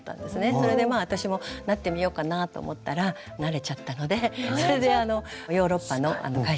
それで私もなってみようかなぁと思ったらなれちゃったのでそれでヨーロッパの会社でしたけどもそこで勤めて。